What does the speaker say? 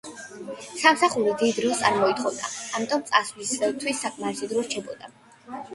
სამსახური დიდ დროს არ მოითხოვდა, ამიტომ სწავლისათვის საკმარისი დროც რჩებოდა.